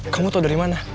kamu tau dari mana